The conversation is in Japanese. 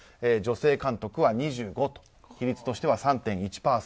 女性監督は２５人と比率としては３．１％。